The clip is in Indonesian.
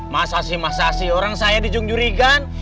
masa sih masa sih orang saya dijung jurigan